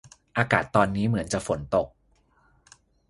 อากาศตอนนี้เหมือนฝนจะตก